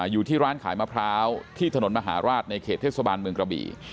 อยู่ที่ร้านขายมะพร้าวที่ถนนมหาราชในเขตเทศบาลเมืองกระบี่